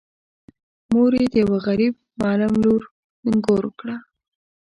مور یې د یوه غريب معلم لور نږور کړه.